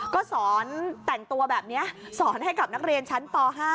ก็สอนแต่งตัวแบบนี้สอนให้กับนักเรียนชั้นป๕